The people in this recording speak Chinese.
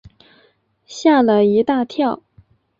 吓了一大跳